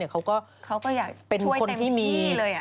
เขาก็อยากช่วยเต็มที่เลย